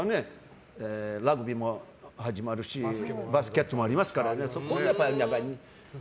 ラグビーも始まるしバスケットもありますから。